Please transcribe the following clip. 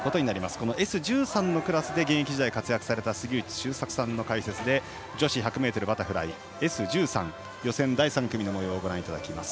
このＳ１３のクラスで現役時代活躍された杉内周作さんの解説で女子１００ｍバタフライＳ１３予選第３組の模様をご覧いただきます。